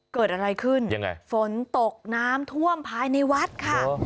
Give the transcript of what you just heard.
เกิดอะไรขึ้นยังไงฝนตกน้ำท่วมภายในวัดค่ะ